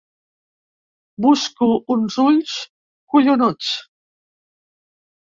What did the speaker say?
Busco uns ulls collonuts.